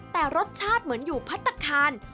แต่รสชาติเหมือนอยู่พัฒนาคาร